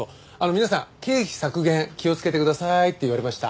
皆さん経費削減気をつけてくださいって言われました。